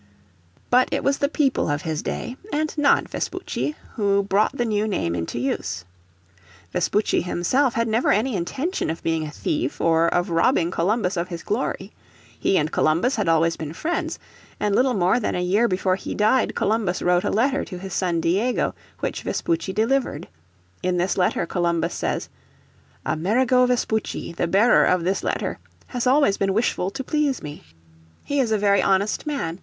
But it was the people of his day, and not Vespucci, who brought the new name into use. Vespucci himself had never any intention of being a thief or of robbing Columbus of his glory. He and Columbus had always been friends, and little more than a year before he died Columbus wrote a letter to his son Diego which Vespucci delivered. In this letter Columbus says, "Amerigo Vespucci, the bearer of this letter ... has always been wishful to please me. He is a very honest man.